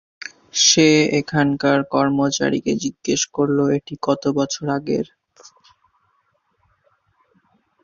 সে সেখানকার কর্মচারীকে জিজ্ঞেস করল, এটি কত বছর আগের?